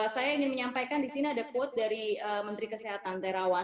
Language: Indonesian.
saya ingin menyampaikan disini ada quote dari menteri kesehatan